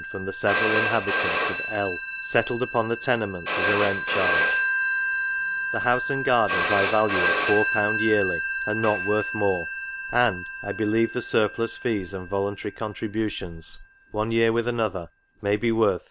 from the several inhabitants of L —, settled upon the tenements as a rent charge ; the house and gardens I value at 4/. yearly, and not worth more ; and, I believe the surplice fees and volun tary contributions, one year with another, may be worth Si.